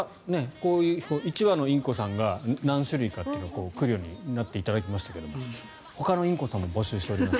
こういう１羽のインコさんが何種類かというのが来るようになっていただきましたがほかのインコさんも募集しております。